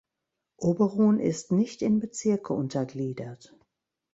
Oberon ist nicht in Bezirke untergliedert.